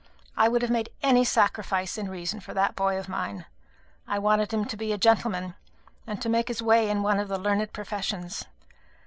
I would have made any sacrifice in reason for that boy of mine. I wanted him to be a gentleman, and to make his way in one of the learned professions.